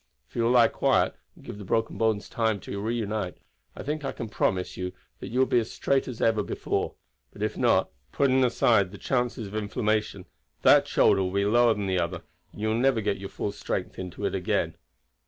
If you will lie quiet, and give the broken bones time to reunite, I think I can promise you that you will be as straight as before; but if not putting aside the chances of inflammation that shoulder will be lower than the other, and you will never get your full strength in it again.